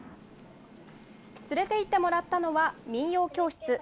連れていってもらったのは民謡教室。